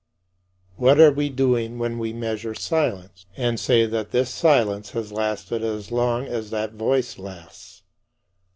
What are we doing when we measure silence, and say that this silence has lasted as long as that voice lasts?